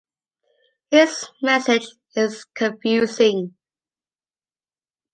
His message is confusing.